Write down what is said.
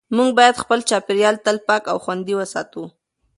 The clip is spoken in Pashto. موږ باید خپل چاپېریال تل پاک او خوندي وساتو